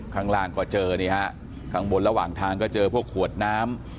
ข้างล่างก็เจอนี่ฮะข้างบนระหว่างทางก็เจอพวกขวดน้ำ